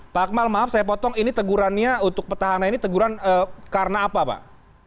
pak akmal maaf saya potong ini tegurannya untuk petahana ini teguran karena apa pak